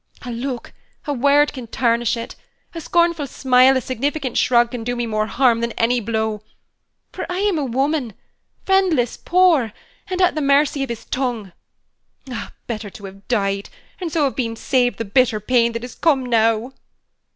A look, a word can tarnish it; a scornful smile, a significant shrug can do me more harm than any blow; for I am a woman friendless, poor, and at the mercy of his tongue. Ah, better to have died, and so have been saved the bitter pain that has come now!"